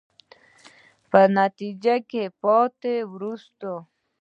په نتیجه کې پاتې، وروستو.